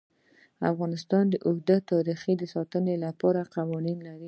افغانستان د اوږده غرونه د ساتنې لپاره قوانین لري.